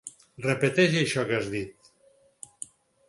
Repeteix això que has dit.